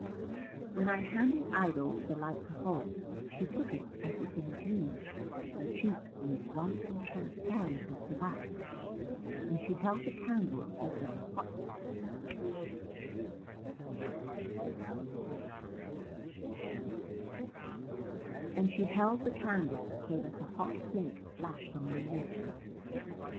When I handed Idols the light to hold, she took it as if in a dream; her cheeks were as white and transparent as the wax, and she held the candle so that a hot flake splashed on my neck.